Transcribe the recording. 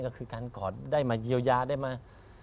ก็คือการกอดได้มาเยียวยาได้มา